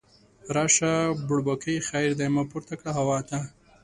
راشه بړبوکۍ خیر دی، ما پورته کړه هوا ته